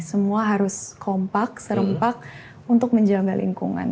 semua harus kompak serempak untuk menjaga lingkungan